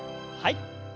はい。